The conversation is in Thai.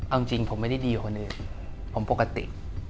เอาจริงผมไม่ได้ดีกว่าคนอื่นผมปกติ